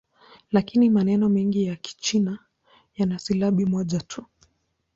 Lakini maneno mengi ya Kichina yana silabi moja tu.